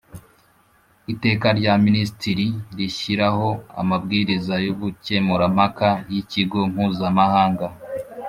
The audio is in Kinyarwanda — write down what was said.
Iteka rya Minisitiri rishyiraho amabwiriza y ubukemurampaka y Ikigo Mpuzamahanga